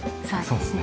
そうですね。